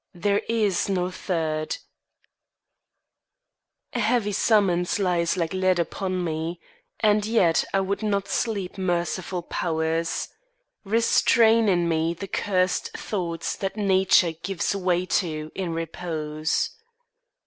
THERE IS NO THIRD" A heavy summons lies like lead upon me, And yet I would not sleep Merciful powers! Restrain in me the cursed thoughts that nature Gives way to in repose.